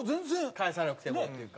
返さなくてもというか。